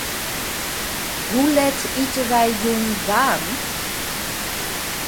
Hoe let ite wy jûn waarm?